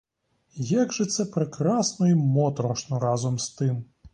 Як же це прекрасно й моторошно разом з тим!